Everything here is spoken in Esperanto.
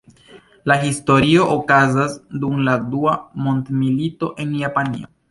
La historio okazas dum la dua mondmilito en Japanio.